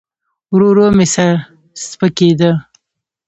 ورو ورو مې سر سپکېده.